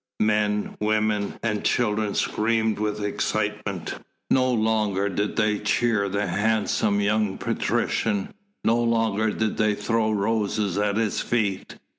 Men, women and children screamed with excitement. No longer did they cheer the handsome young patrician, no longer did they throw roses at his feet.